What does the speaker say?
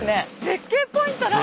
絶景ポイントだ！